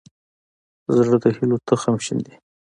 زړه د هيلو تخم شیندي.